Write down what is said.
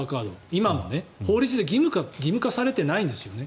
今も法律で義務化されていないんですよね。